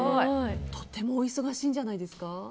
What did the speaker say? とてもお忙しいんじゃないですか。